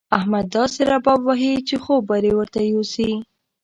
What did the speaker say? احمد داسې رباب وهي چې خوب به دې ورته يوسي.